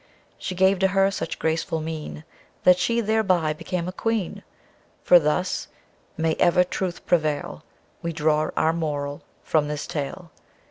She gave to her such graceful mien, That she, thereby, became a queen. For thus (may ever truth prevail) We draw our moral from this tale.